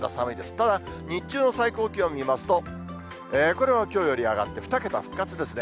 ただ、日中の最高気温を見ますと、これもきょうより上がって、２桁復活ですね。